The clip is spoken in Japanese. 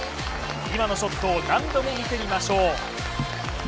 今のショットを何度も見てみましょう。